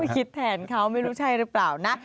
คิดแทนเขาไม่รู้ใช่หรือเปล่านะ